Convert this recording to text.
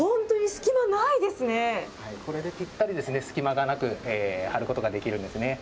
これでぴったりですね、隙間がなく、貼ることができるんですね。